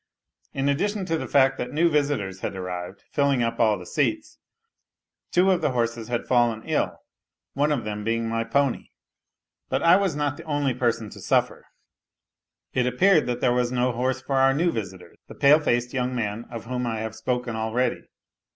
In addition to the fact that new visitors had arrived, filling up all the seats, two of the horses had fallen ill, one of them being my pony. But I was not the only person to suffer : it appeared that there was no horse for our new visitor, the pale faced young man of whom I have spoken already.